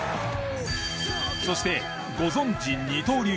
そしてご存じ二刀流。